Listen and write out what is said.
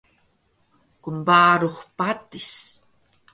Knbarux patis